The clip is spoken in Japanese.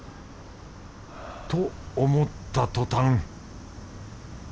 と思ったとたん。